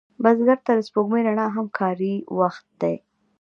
بزګر ته د سپوږمۍ رڼا هم کاري وخت دی